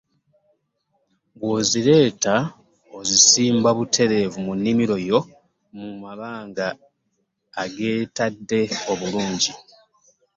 Bw’ozireeta ozisimba butereevu mu nnimiro yo mu mabanga ageetadde obulungi.